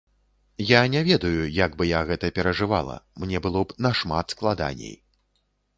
Я не ведаю, як бы я гэта перажывала, мне было б нашмат складаней.